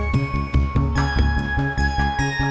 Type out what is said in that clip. saya mau karbon dulu